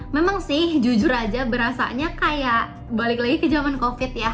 memang sih jujur aja berasanya kayak balik lagi ke zaman covid ya